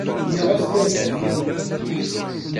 Fkiɣ-as tagertilt.